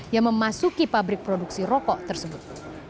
yang memasuki pabrik produksi rokok tersebut